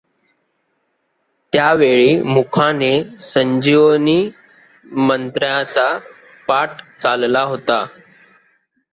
त्या वेळी मुखाने संजीवनी मंत्राचा पाठ चालला होता.